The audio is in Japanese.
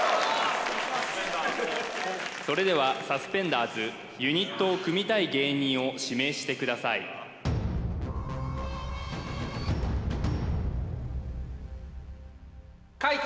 それではサスペンダーズユニットを組みたい芸人を指名してください怪奇！